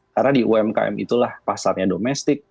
karena di umkm itulah pasarnya domestik